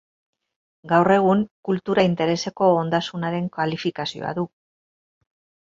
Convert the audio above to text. Gaur egun kultura-intereseko ondasunaren kalifikazioa du.